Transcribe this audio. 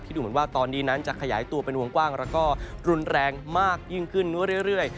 ดูเหมือนว่าตอนนี้นั้นจะขยายตัวเป็นวงกว้างแล้วก็รุนแรงมากยิ่งขึ้นเรื่อย